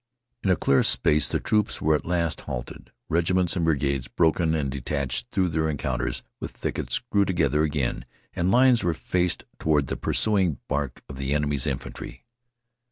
In a clear space the troops were at last halted. Regiments and brigades, broken and detached through their encounters with thickets, grew together again and lines were faced toward the pursuing bark of the enemy's infantry.